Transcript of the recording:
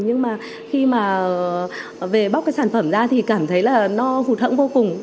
nhưng mà khi mà về bóc cái sản phẩm ra thì cảm thấy là nó hụt hẫng vô cùng